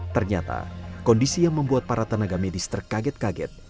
ternyata kondisi yang membuat para tenaga medis terkaget kaget